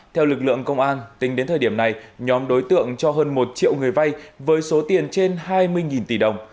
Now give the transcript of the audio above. theo lực lượng công an tính đến thời điểm này nhóm đối tượng cho hơn một triệu người vay với số tiền trên hai mươi tỷ đồng